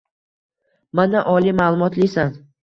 “Mana, oliy ma’lumotlisan.